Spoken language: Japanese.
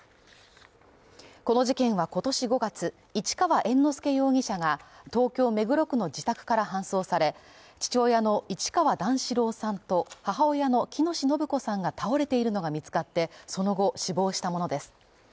この事件は今年５月、市川猿之助容疑者が、東京・目黒区の自宅から搬送され、父親の市川段四郎さんと母親の喜熨斗延子さんが倒れているのが見つかって、その後、死亡したものです。